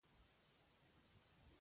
پیشو مې په ځیر ځان پاکوي.